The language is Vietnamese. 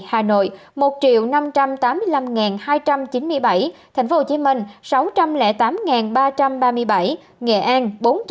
hà nội một năm trăm tám mươi năm hai trăm chín mươi bảy tp hcm sáu trăm linh tám ba trăm ba mươi bảy nghệ an bốn trăm tám mươi một hai trăm bảy mươi một